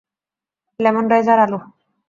Lemon rice আর আলু।